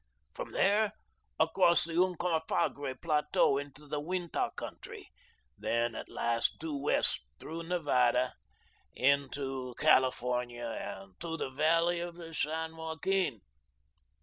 From there across the Uncompahgre plateau into the Uintah country; then at last due west through Nevada to California and to the valley of the San Joaquin."